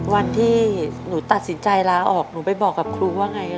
วันที่หนูตัดสินใจลาออกหนูไปบอกกับครูว่าไง